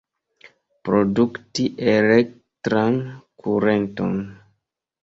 Produkti elektran kurenton.